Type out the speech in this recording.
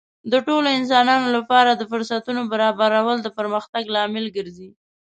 د ټولو انسانانو لپاره د فرصتونو برابرول د پرمختګ لامل ګرځي.